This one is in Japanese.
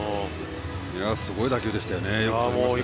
すごい打球でしたね。